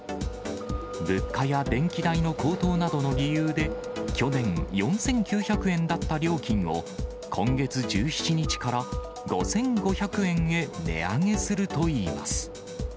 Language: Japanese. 物価や電気代の高騰などの理由で、去年、４９００円だった料金を、今月１７日から５５００円へ値上げするといいます。